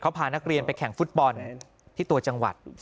เขาพานักเรียนไปแข่งฟุตบอลที่ตัวจังหวัด